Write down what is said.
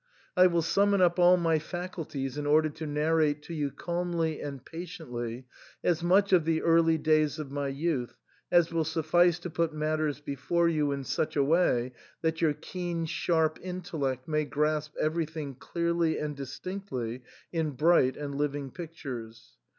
I will summon up all my faculties in order to narrate to you calmly and patiently as much of the early days of my youth as will suffice to put matters before you in such a way that your keen sharp intellect inay grasp everjrthing clearly and distinctly, in bright and living pictures.